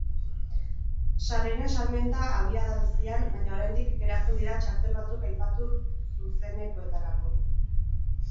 Sarreren salmenta abiada bizian, baina oraindik geratzen dira txartel batzuk aipatu zuzenekoetarako.